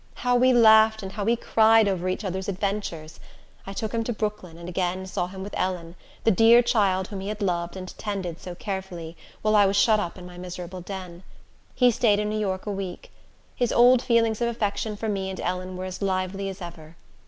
How we laughed, and how we cried, over each other's adventures! I took him to Brooklyn, and again saw him with Ellen, the dear child whom he had loved and tended so carefully, while I was shut up in my miserable den. He staid in New York a week. His old feelings of affection for me and Ellen were as lively as ever.